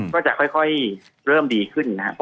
ก็จะค่อยเริ่มดีขึ้นนะครับ